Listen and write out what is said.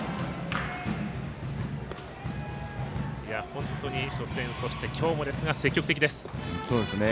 本当に初戦そして今日もですが積極的です。